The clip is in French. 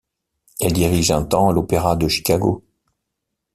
Elle dirige un temps l’opéra de Chicago.